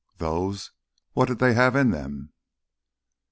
"Those—what did they have in them?"